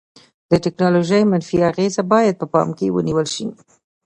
د ټیکنالوژي منفي اغیزې باید په پام کې ونیول شي.